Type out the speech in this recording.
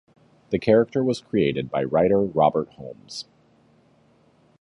The character was created by writer Robert Holmes.